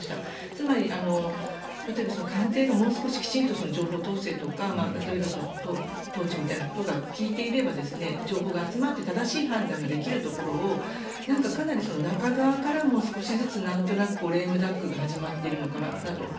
つまり、官邸がもう少しきちんと情報統制とか例えば統治みたいなことが利いていれば情報が集まって正しい判断ができるところをかなり中側からも少しずつなんとなくレームダックが始まっているのかなと。